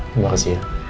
terima kasih ya